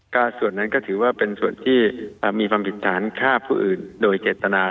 ก็ส่วนนั้นก็ถือว่าเป็นส่วนที่มีความผิดฐานฆ่าผู้อื่นโดยเจตนา